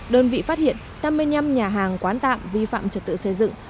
đơn vị phát hiện năm mươi năm nhà hàng quán tạm vi phạm trật tự xây dựng